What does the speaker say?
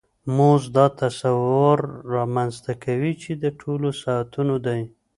مزد دا تصور رامنځته کوي چې د ټولو ساعتونو دی